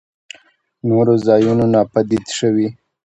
نورو ځايونو ناپديد شوي.